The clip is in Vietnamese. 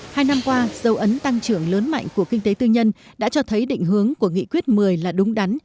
hai năm qua dấu ấn tăng trưởng lớn mạnh của kinh tế tư nhân đã cho thấy định hướng của nghị quyết một mươi là đúng đắn